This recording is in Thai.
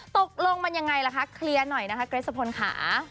ตกลงมันยังไงล่ะคะเคลียร์หน่อยนะคะเกรสพลค่ะ